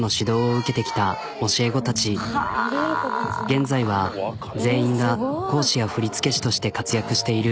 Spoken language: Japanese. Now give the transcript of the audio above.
現在は全員が講師や振り付け師として活躍している。